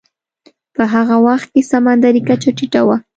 په هغه وخت کې سمندرې کچه ټیټه وه.